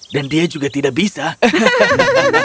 dan dia juga tidak bisa terbang